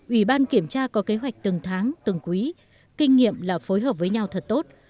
ủy ban kiểm tra có kế hoạch từng tháng từng quý kinh nghiệm là phối hợp với nhau thật tốt